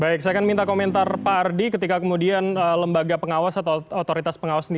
baik saya akan minta komentar pak ardi ketika kemudian lembaga pengawas atau otoritas pengawas ini